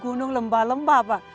gunung lembah lembah pak